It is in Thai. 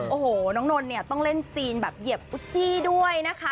โอ้โหน้องนนท์เนี่ยต้องเล่นซีนแบบเหยียบอุจี้ด้วยนะคะ